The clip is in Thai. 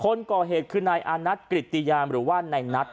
คนก่อเหตุคือในอะนัทกริตยามหรือว่าในนัท